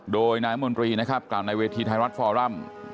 โดยนายมนตรีนะครับกล่าวในเวทีไทยรัฐฟอรัม